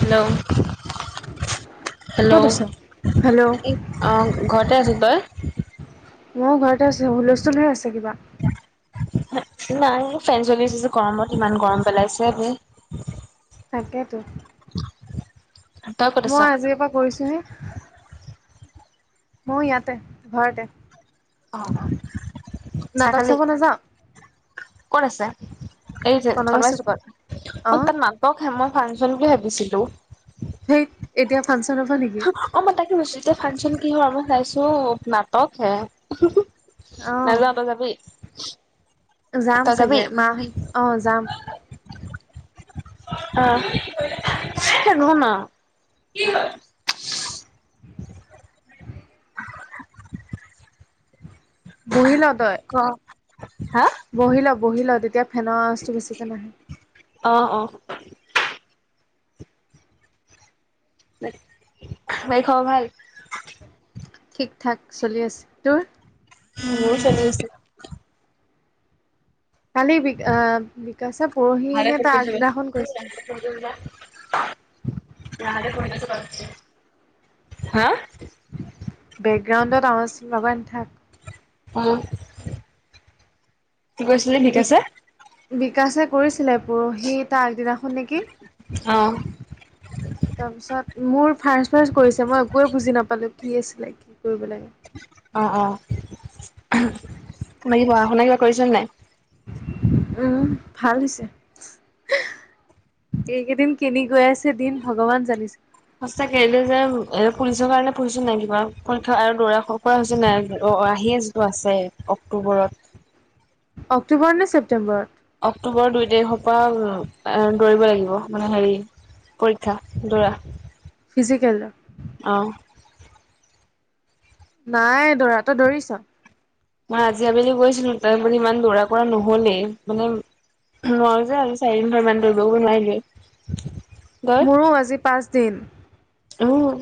Hello, hello, ক'ত আছ? Hello অ, ঘৰতে আছো তই? ময়ো ঘৰতে আছো, হুলস্থুল হৈ আছে কিবা। নাই, ফেন চলিছে যে, গৰমত ইমান গৰম পেলাইছে হেই। তাকেইতো। [inaudible] আছ মই আজিৰ পৰা কৰিছো হে, মই ইয়াতে, ঘৰতে। অ, অ, চাহ নাটক খালি? চাব নাযাওঁ ক'ত আছে, এই যে কনবা ধনময় চুক চোকত, অ, অঁ তাত মানুহ হে, মই ফাংচন বুলি ভাবিছিলোঁ। ধেত এতিয়া ফাংচন হ'বা নেকি? অ, মই তাকে ভাবিছো, এতিয়া ফাংচন কি হয়, মই চাইছোঁ নাটক হে। অঁ নাজাওঁ তই যাবি? যাম তই যাবি চাগে, মাহ অ, যাম। [unintelligible] বহি ল, তই। ক, হা? বহি ল, বহি ল, তেতিয়া ফেনৰ আৱাজটো বেছিকৈ নাহে। অ, অ, বাকী, খবৰ ভাল? ঠিক-থাক চলি আছে, তোৰ? উম, মোৰো চলি আছে। কালি বিক, আহ, বিকাশে ভালে পৰহিনে, ফোন তাৰ কৰিছ বে। আগদিনাখন কৈছে। [inaudible] হা? বেকগ্ৰাউণ্ডত আবাজটো লগাই নথাক। অ, কি কৈছিলে, বিক বিকাশে? বিকাশে কৰিছিলে, পৰহি তাৰ আগদিনাখন নেকি? অ', তাৰপিছত মোৰ, ফাৰ্ষ্ট-ফাইজ কৰিছে, মই একোৱেই বুজি নাপালোঁ, কি আছিলে কি কৰিব লাগে। অ, অ, বাকী পঢ়া-শুনা কিবা কৰিছা নে নাই? উম, ভাল হৈছে এইকেইদিন কেনি গৈ আছে, দিন ভগৱান জানিছে। সচাকে এইটো যে এ পুলিচৰ কাৰণে পঢ়িছো নাই কিবা পৰীক্ষা আৰু দৌৰা কৰা হৈছে নাই অ আহি আছ টো আছে অক্টোবৰত। অক্টোবৰ নে ছেপ্তেম্বৰ। অক্টোবৰ দুই তাৰিখৰ পৰা দৌৰিব লাগিব মানে হেৰি। পৰীক্ষা দৌৰা। ফিজিকেলৰ অ নাই দৰা তই দৌৰিছ? মই আজি আবেলি গৈছিলো তাৰোপৰি ইমান দৌৰা কৰা নহলেই মানে। [unintelligible] তই? মোৰো আজি পাঁচ দিন। উম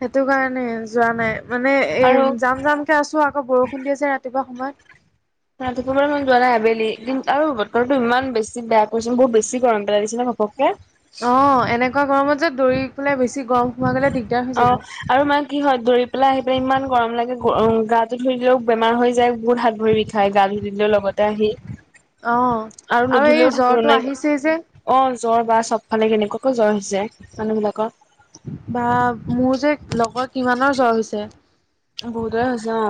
সেইটো কাৰণে যোৱা নাই মানে এ আৰু যাম যাম কে আছো আকৌ বৰষুণ দি আছে ৰাতিপুৱা সময়ত। মই ৰাতিপুৱা মানে মই যোৱা নাই আবেলি কিন্তু আৰু বতৰটো ইমান বেছি বেয়া কৰিছে বহুত বেছি গৰম পেলাই দিছে নে ঘপকে। অ এনেকুৱা গৰমত যে দৌৰি পেলাই বেছি গৰম সোমাই গ'লে দিগদাৰ হৈ অ' যাব। আৰু মানে কি হয় দৌৰি পেলাই আহি পেলাই ইমান গৰম লাগে গ গাটো ধুই দিলেও বেমাৰ হৈ যায় বহুত হাত ভৰি বিষ খাই গা ধুই দিলেও লগতে আহি। অ আৰু নুধুলেও এই থাকিব জ্বৰটো নাই আহিছেই যে। অ জ্বৰ বা চবফালে কেনেকুৱাকৈ জ্বৰ হৈছে মানুহ বিলাকৰ। বা মোৰ যে লগৰ কিমানৰ জ্বৰ হৈছে। বহুতৰে হৈছে অ।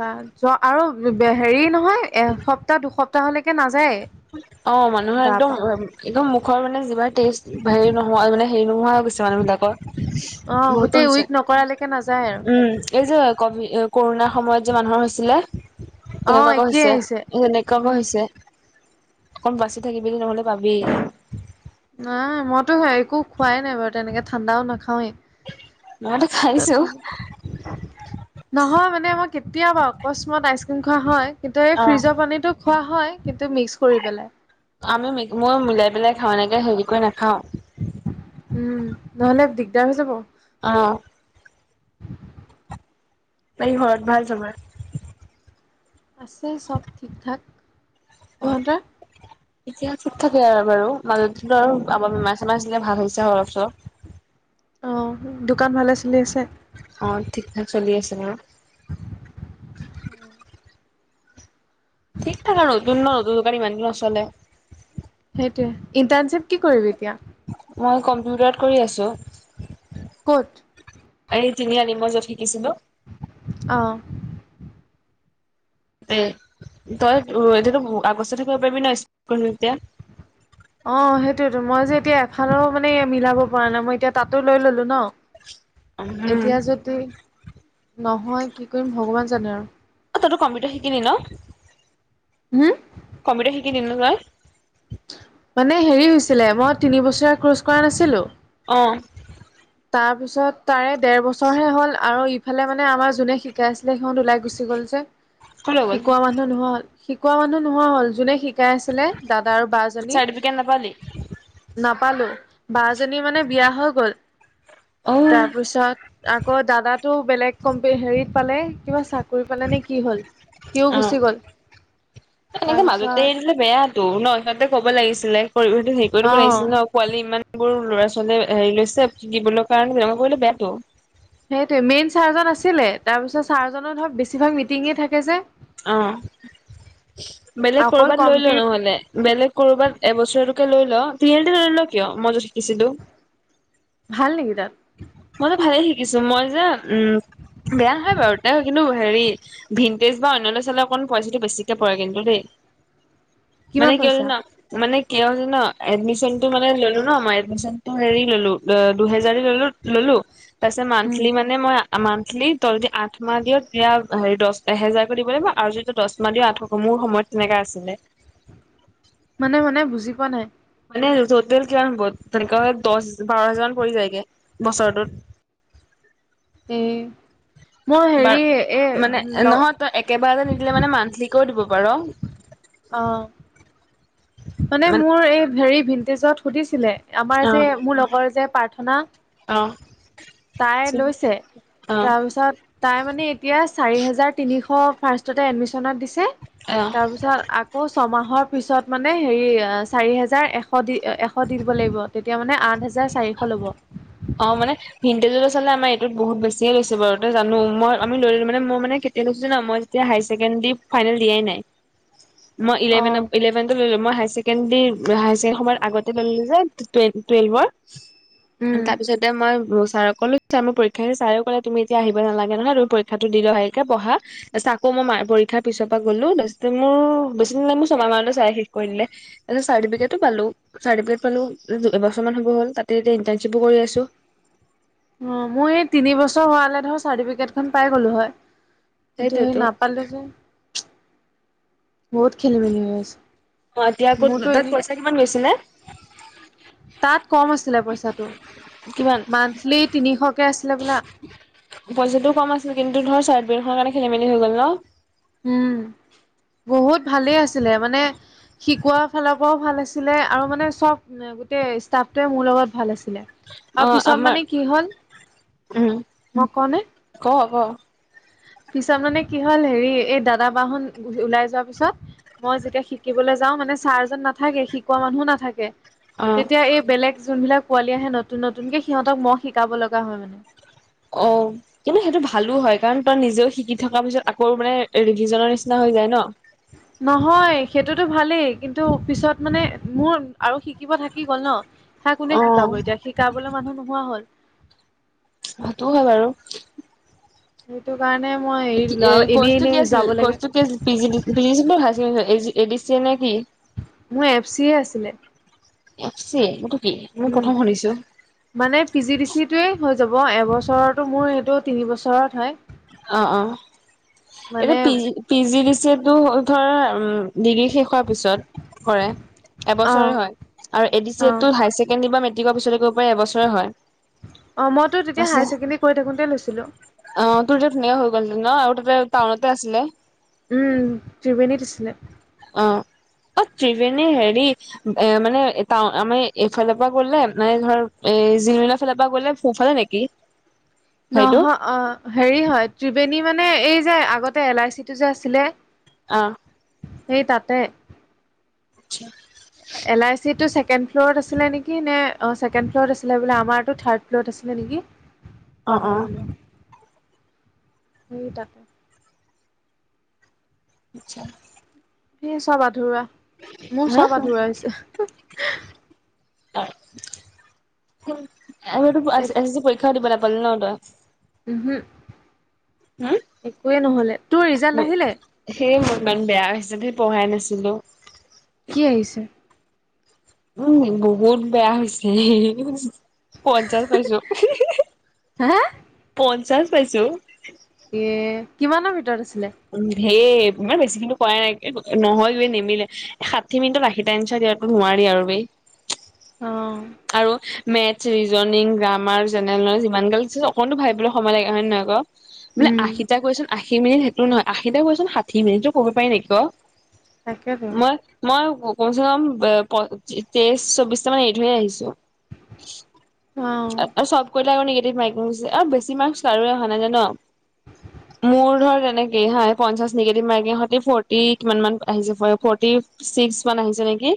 বা যোৱা আৰু হেৰি নহয় এসপ্তাহ দুসপ্তাহলেকে নাযায়। [inaudible] অ মানুহৰ গা একদম পা একদম মুখৰ মানে যিমান টেষ্ট হেৰি নোহোৱা মানে হেৰি নোহোৱা হৈ গৈছে মানুহ বিলাক কৰ অ গোটেই উইক নকৰালেকে নাযায় আৰু উম এই যে কভি কৰোণাৰ সময়ত যে মানুহৰ হৈছিলে অ' তেনেকুৱাকৈ একেই হৈছে আহিছে। এনেকুৱাকৈ উম, হৈছে। অকণ বাচি থাকিবি নহ'লে পাবি। নাই মইতো একো খোৱাই নাই বাৰু তেনেকে ঠাণ্ডাও নাখাওৱেই। মইতো খাইছোঁ। তথাপি নহয় মানে মই কেতিয়া বাৰ অকস্মাত আইচক্ৰীম খোৱা হয়। কিন্তু এই ফ্ৰিজৰ পানীটো খোৱা হয় কিন্তু মিক্স কৰি পেলাই। আমি মিক মই মিলাই পেলাই খাও এনেকে হেৰি কৰি নাখাও। উম নহলে দিগদাৰ হৈ যাব। অ বাকী ঘৰত ভাল চবৰে? আছে চব ঠিক ঠাক, তহঁতৰ? এতিয়া ঠিক ঠাকে আৰু বাৰু মাজতেতো আৰু আমাৰ বেমাৰ চেমাৰ হৈছিল ভাল হৈছে অলপ চলপ। অ দোকান ভালে চলি আছে? অ ঠিক ঠাক চলি আছে বাৰু। [inaudible] ঠিক ঠাক আৰু নতুন ন নতুন দোকানী ইমানকৈ নচলে। সেইটোৱে, ইণ্টাৰ্ণশ্বিপ কি কৰিবি এতিয়া? মই কম্পিউটাৰত কৰি আছোঁ। ক'ত? এই তিনিআলি মই য'ত শিকিছিলোঁ। অ। এ ত‌ই এতিয়া টো [unintelligible] অ সেইটোৱেতো মই যে এতিয়া এফালো মানে মিলাব পৰা নাই মই এতিয়া তাতো লৈ ললো ন। উম এতিয়া যদি নহয় কি কৰিম ভগৱান জানে আৰু। অ তইতো কম্পিউটাৰ শিকিলি ন? হুম? কম্পিউটাৰ শিকিলি ন তই? মানে হেৰি হৈছিলে মই তিনিবছৰীয়া ক্ৰৰ্চ কৰা নাছিলো অ। তাৰ পিছত তাৰে দেৰ বছৰ হে হ'ল, আৰু ইফালে মানে আমাৰ যোনে শিকাই আছিলে সিহঁত ওলাই গুচি গ'ল যে ক'লৈ গ'ল শিকোৱা মানুহ মানুহ নোহোৱা হ'ল, শিকোৱা মানুহ নোহোৱা হ'ল যোনে শিকাই আ ছিলে দাদা আৰু বাজনী চাৰ্টিফিকেট নাপালি নাপালো বাজনী মানে বিয়া হৈ গ'ল। অ তাৰপিছত আকৌ দাদা টো বেলেগ কম হেৰিত পালে কিবা চাকৰি পালে নে কি হ'ল! সিও অ গুচি গ'ল, তাৰপিছত বেয়াতো ন সিহঁতে ক'ব লাগিছিলে কৰিব সেইটো হেৰি কৰি অ দিব লাগিছিলে ন। পোৱালি ইমানবোৰ লৰা- ছোৱালীয়ে লৈছে দিবলৈ কাৰণে তেনেকুৱা কৰিলে বেয়াটো। সেইটোৱে মেইন ছাৰজন আছিলে তাৰপিছত ছাৰজনৰ ধৰক বেছিভাগ মিটিঙে থাকে যে। অ, বেলেগ অকল কৰবাত লৈল কম্পিউট নহ'লে, বেলেগ কৰবাত এবছৰীয়াটোকে লৈল, [unintelligible] নোলোৱা কিয় মই য'ত শিকিছিলো। ভাল নেকি তাত? মইতো ভালেই শিকিছো মই যে উম বেয়া নহয় বাৰু তাতে, কিন্তু হেৰি ভিন্টেজ বা অইনলে চালে অকণ পইচাটো বেছিকে পৰে কিন্তু দেই। [unintelligible] মানে কি হয় পইচা জান? মানে কি হয় জান, এডমিশ্যনটো মানে ললো ন মই এডমিশ্যনটো হেৰি ললো দুহেজাৰ দি ললো ললো, তাৰপিছত উম, মান্থলী মানে মই মান্থলী তই যদি আঠমাহ দিয় তেতিয়া হেৰি দহ এহেজাৰকৈ দিব লাগিব আৰু যদি দহ মাহ দিয় আঠশ কমো সময়ত তেনেকা আছিলে। মানে মানে বুজি পোৱা নাই? মানে টোটেল কিমান হ'ব তেনেকা হলে দহ বাৰ হাজাৰ মান পৰি যায়গে, বছৰটোত। এ, মই বাৰ হেৰি মানে এ ল নহয় তই একেবাৰতে নিদিলে মানে মান্থলী কৈয়ো দিব পাৰ। অঁ। মানে মোৰ এই হেৰি ভিন্টেজত সুধিছিলে আমাৰ যে অ মোৰ লগৰ যে প্ৰাৰ্থনা! অ তাই লৈছে, অ তাৰপিছত তাই মানে এতিয়া চাৰি হাজাৰ তিনিশ ফাৰ্ষ্টতে এডমিশ্যনত দিছে, অ। তাৰপিছত আকৌ ছমাহৰ পিছত, মানে হেৰি চাৰি হেজাৰ এশ দি এশ দি দিব লাগিব, তেতিয়া মানে আঠ হাজাৰ চাৰিশ ল'ব। অ মানে ভিনটেজলে চালে আমাৰ এইটোত বহুত বেছিয়ে লৈছে বাৰু ত জানো মই আমি লৈ ললো মানে মই মানে কেতিয়া লৈছোঁ যান মই তেতিয়া হায়াৰ ছেকেণ্ডাৰী ফাইনেল দিয়াই নাই, মই অ ইলেভেন ইলেভেনতে ললোঁ মই হায়াৰ ছেকে ছেকেণ্ডী হায়াৰ ছেকেণ্ডাৰী সময়ত আগতে লৈ ললো যে টু টুৱেলভ উম তাৰ পিছতে মই ছাৰক কলোঁ ছাৰ মোৰ পৰীক্ষাটো ছাৰেও কলে তুমি এতিয়া আহিব নালাগে নহয় তুমি পৰীক্ষাটো দি লোৱা ভালকে পঢ়া তাৰপিছত আকৌ মই মা পৰীক্ষাৰ পিছৰ পৰা গ'লো তাৰপিছতে মোৰ বেছি দিন মোৰ ছমাহ মানতে চাই শেষ কৰি দিলে তাৰপিছত চাৰ্টিফিকেটো পালো চাৰ্টিফিকেট পালোঁ এবছৰমান হ'ব হ'ল তাতে এতিয়া ইণ্টাৰ্নশ্বিপো কৰি আছো। অ মই এই তিনি বছৰ হোৱা হলে ধৰ চাৰ্টিফিকেট খন পাই গলো হয়, কিন্তু সেই সেইটোৱেতো নাপ পালোঁ যে। বহুত খেলি মেলি হৈ আছে, অ এতিয়া ক'ত মোৰটো তাত এনেই পইচা কিমান গৈছিলে তাত কম আছিলে পইচাটো। কিমান মান্থলী তিনিশকে আছিলে হবলা পইচাটো কম আছিল কিন্তু ধৰ চাৰ্টিফিকেট খনৰ কাৰণে খেলি-মেলি হৈ গ'ল ন? উম বহুত ভালেই আছিলে মানে শিকোৱা ফালৰ পৰাও ভাল আছিলে আৰু মানে চব গোটেই ষ্টাফটোৱে মোৰ লগত ভাল আছিলে অ আৰু পিছত আমাৰ মানে কি হল, উম মই কওঁ নে? ক ক পিছত মানে কি হল হেৰি এই দাদা, বা হ'ত ওলাই যোৱা পিছত মই যেতিয়া শিকিবলৈ যাও মানে ছাৰজন নাথাকে শিকোৱা মানুহো নাথাকে অ তেতিয়া এই বেলেগ যোনবিলাক পোৱালি আহে নতুন নতুনকে সিহঁতক মই শিকাব লগা হয় মানে অঁ কিন্তু সেইটো ভালো হয় কাৰণ তই নিজেও শিকি থকাৰ পিছত আকৌ মানে ৰিভিজনৰ নিচিনা হৈ যায় ন উ [unintelligible] নহয় সেইটোতো ভালেই কিন্তু পিছত মানে মোৰ আৰু শিকিব থাকি গ'ল ন হা অ কোনে শিকাব এতিয়া শিকাবলে মানুহ নোহোৱা হ'ল সেইটোৱো হয় বাৰু সেইটো কাৰণে মই এৰি কি দিলো এ আৰু এনেই কৰ্চটো এনেই কি আছিল যাব লাগে কৰ্চটো P P G D P আছিলে নে হা G A G A D C A নে কি মোৰ এফ চি এ আছিলে এফ চি এ সেইটো কি মই উম প্ৰথম শুনিছো মানে পি জি ডি চি য়ে টোৱে হৈ যাব এবছৰতো মোৰ সেইটো তিনি বছৰত হয়। অ অ এইটো মানে P G P G D C য়ে টো ধৰ ডিগ্ৰীৰ শেষৰ পিছত কৰে অ এবছৰে হয় আৰু এ ডি চি অ এ টো হায়াৰ ছেকেণ্ডেৰী বা মেট্ৰিকৰ পিছলৈ কৰিব পাৰি এবছৰে হয়। অ মইতো তেতিয়া হায়াৰ তাৰপিছত ছেকেণ্ডৰী কৰি থাকোতে লৈছিলোঁ। তে টাউনতে আছিলে। উম ত্ৰিবেণী দিছিলে অ এ ত্ৰিবেণী হেৰি এ মানে এটা আমি এইফালৰ পৰা গলে মানে ধৰ এ জিমেইলৰ ফালৰ পৰা গ'লে সেফালে নেকি? [unintelligible] [inaudible] সেইটো নহয় অ হেৰি হয় ত্ৰিবেণী মানে এই যে আগতে এল আই চিটো যে আছিলে। অ সেই তাতে [unintelligible] এল আই চিটো ছেকেণ্ড ফ্ল'ৰত আছিলে নেকি নে অ ছেকেণ্ড ফ্লুৰত আছিলে বোলে আমাৰটো থাৰ্ড ফ্লুৰত আছিলে নেকি? অ অ পাহৰি গলো সেই তাক আচ্ছা। সেই চব আধৰুৱা, মোৰ হা চব আধৰুৱা হৈছে। হয়, এ এবাৰটো এচ এচ চি এ পৰীক্ষা দিব নাপালি ন তই? উমহু, একোৱে নহ'লে। তোৰ ৰিজাল্ট আহিলে [unintelligible] সেয়ে হ'ল দাং বেয়া হিচাপে পঢ়াই নাছিলো। কি আহিছে? উম বহুত বেয়া হৈছে। পঞ্চাশ পাইছো, হা পঞ্চাশ পাইছোঁ। এ কিমানৰ ভিতৰত আছিলে? উম [unintelligible] ইমান বেছিখিনিও কৰাই নাই [unintelligible] নহয় বেই নিমিলে। ষাঠি মিনিটত আশীটা এনচাৰ দিয়াতো নোৱাৰি আৰু বেই। অঁ। আৰু maths, reasoning, grammar, general knowledge যিমান গাল দিছে অকণটো ভাবিবলে সময় লাগে হয় নে নহয় ক? বোলে উম আশীটা কোৱেচন আশী মিনিট সেইটো নহয়, আশীটা কোৱেচন ষাঠি মিনিটত কৰিব পাৰি নেকি ক? তাকেতো মই মই ক কমচে কম এ প তে তেইশ চৌবিশটামান এৰি থৈয়ে আহিছ তেও, অ এ এ চব কৰিলে আকৌ নিগেটিভ মাৰ্কিং দিছে, এ বেছি মাৰ্কছ কাৰোয়েই‌ আহা নাই জান? [inaudible] মোৰ ধৰ তেনেকে হা পঞ্চাশ নিগেটিভ মাৰ্কিং সতে ফৰটি কিমান মান আহিছে আ ফৰটি ছিক্সমান আহিছে নেকি?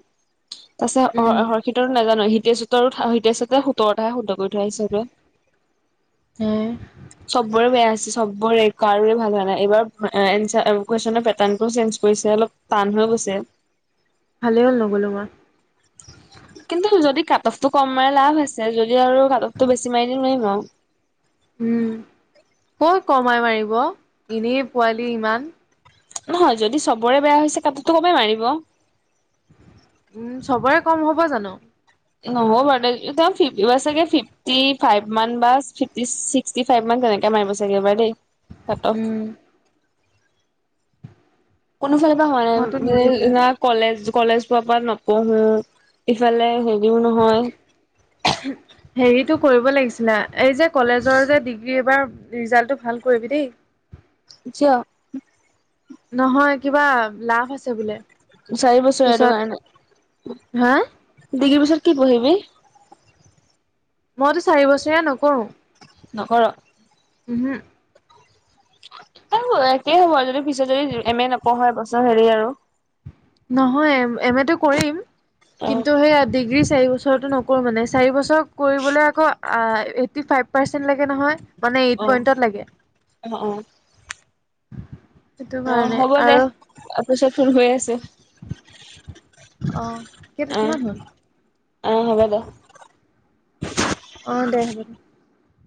তাৰ পিছত অ উম অ হৰ্ষিতৰ নাজানো হিতেষহঁতৰো ঠাৰ হিতেষহঁতে সোতৰতাহে শুদ্ধ কৰি তৰই চাগে? এ চবৰে বেয়া আছে চবৰে, কাৰোৰে ভাল হোৱা নাই এইবাৰ এ এঞ্চাৰ কুৱেচনৰ পেটাৰ্নটো চেঞ্জ কৰিছে অলপ টান হৈ গৈছে। ভালে হ'ল নগ'লো মই। কিন্তু যদি কাট অফটো কম মাৰে লাভ আছে যদি আৰু কাট অফটো বেছি মাৰি দিয়ে নোৱাৰিম আৰু। উম, কত কমাই মাৰিব এনেই পোৱালি ইমান। নহয় যদি চবৰে বেয়া হৈছে কাট অফতো কমেই মাৰিব। উম, চবৰে কম হ'ব জানো? [unintelligible] ফিফটিও আছে গে ফিফ টি ফাইভ মান বা [unintelligible] ছিক্সটি ফাইভ মান তেনেকে মাৰিব চাগে এইবাৰ দেই। কাট অফ উম। কোনোফালৰ পৰা মইতো হোৱা নিদিলোৱে নাই [unintelligible] কলেজ কলেজ পৰা পৰা নপঢ়ো ইফালে হেৰিও নহয় এহো হেৰিটো কৰিব লাগিছিলে এই যে কলেজৰ যে ডিগ্ৰী এইবাৰ ৰিজাল্টটো ভাল কৰিবি দেই। জ নহয় কিবা লাভ আছে বোলে। চাৰি বছৰ এইটো পিছত কাৰণে, হা ডিগ্ৰীৰ পিছত কি পঢ়িবি? মইতো চাৰি বছৰীয়া নকৰোঁ। নকৰ? উমহু। সেও একে হ'ব আৰু যদি পিছত যদি এম এ নপঢ়, হয় বছৰ হেৰি আৰু। নহয় এম এ মেটো কৰিম। অ কিন্তু সেইয়া ডিগ্ৰী চাৰি বছ বছৰটো নকৰোঁ মানে। চাৰি বছৰ কৰিবলে আকৌ আ এইটী ফাইভ পাৰ্চেন্ত লাগে নহয়। মানে অ এইট পইণ্টত লাগে? অ। সেইটো অ, কাৰণে হ'ব দে। আৰু অপিছত ফুন কৰি আছো। অ। [unintelligible] কিমান হ'ল? আ, হ'ব দে। অ, দে হ'ব দে।